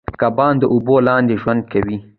کبان د اوبو لاندې ژوند کوي